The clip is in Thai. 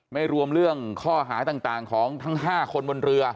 ไม่รวมเรื่องข้อหาต่างของทั้ง๕คนบนเรือ